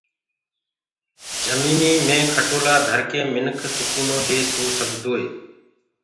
جمينيٚ مي کٽولآ ڌرڪي منک سڪونو دي سو سگدوئي